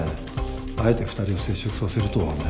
あえて２人を接触させるとはね。